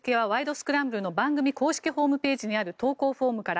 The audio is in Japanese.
スクランブル」の番組公式ホームページにある投稿フォームから。